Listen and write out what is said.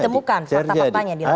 ditemukan fakta faktanya di luar